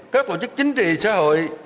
các tổ chức chính trị xã hội